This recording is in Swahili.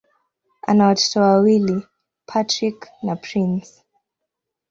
Ana watoto wawili: Patrick na Prince.